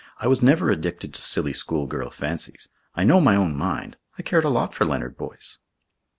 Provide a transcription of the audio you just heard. I was never addicted to silly school girl fancies. I know my own mind. I cared a lot for Leonard Boyce."